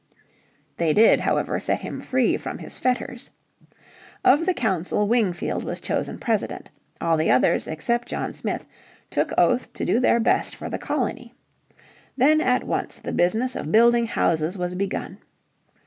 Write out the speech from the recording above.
They did, however, set him free from his fetters. Of the council Wingfield was chosen President. All the others, except John Smith, took oath to do their best for the colony. Then at once the business of building houses was begun.